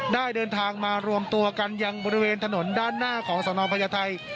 เดินทางมารวมตัวกันยังบริเวณถนนด้านหน้าของสนพญาไทย